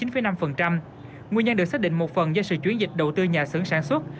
nguyên nhân được xác định một phần do sự chuyển dịch đầu tư nhà xưởng sản xuất